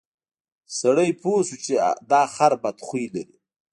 سړي پوه شو چې دا خر بد خوی لري.